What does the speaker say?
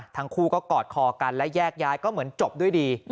ทั้งคู่ก็กอดคอกันและแยกย้ายก็เหมือนจบด้วยดี